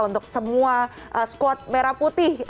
untuk semua squad merah putih